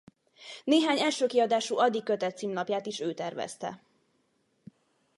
Néhány első kiadású Ady-kötet címlapját is ő tervezte.